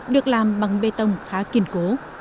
được làm bằng bê tông khá kiên cố